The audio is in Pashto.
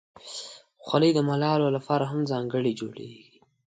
خولۍ د ملالو لپاره هم ځانګړې جوړیږي.